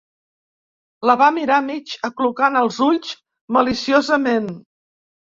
La va mirar mig aclucant els ulls maliciosament.